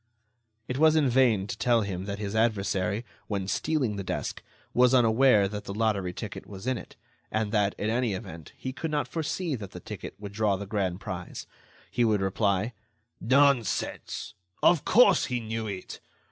It was in vain to tell him that his adversary, when stealing the desk, was unaware that the lottery ticket was in it, and that, in any event, he could not foresee that the ticket would draw the grand prize. He would reply; "Nonsense! of course, he knew it